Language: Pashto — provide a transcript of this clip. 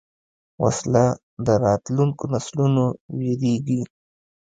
وسله د راتلونکو نسلونو وېرېږي